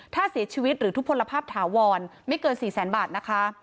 ถ้าเสียชีวิตหรือทุกพลภาพถาวรไม่เกิน๔แสนบาทนะคะ